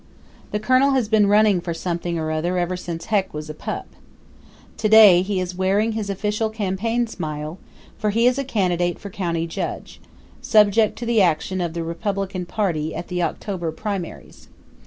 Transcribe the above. The Colonel has been running for something or other ever since Heck was a pup. To day he is wearing his official campaign smile, for he is a candidate for county judge, subject to the action of the Republican party at the October primaries.